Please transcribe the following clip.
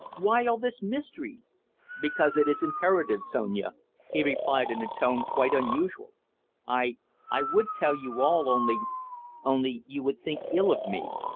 Why all this mystery?" "Because because it is imperative, Sonia," he replied in a tone quite unusual. "I I would tell you all, only only you would think ill of me.